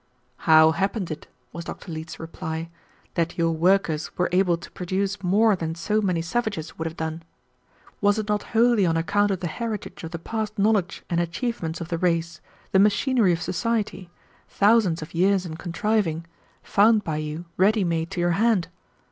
"How happened it," was Dr. Leete's reply, "that your workers were able to produce more than so many savages would have done? Was it not wholly on account of the heritage of the past knowledge and achievements of the race, the machinery of society, thousands of years in contriving, found by you ready made to your hand?